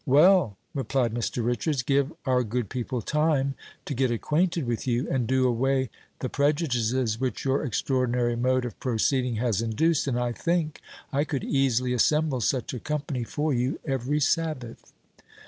"Well," replied Mr. Richards, "give our good people time to get acquainted with you, and do away the prejudices which your extraordinary mode of proceeding has induced, and I think I could easily assemble such a company for you every Sabbath."